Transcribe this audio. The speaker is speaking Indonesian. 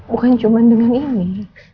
bukan cuma dengan ini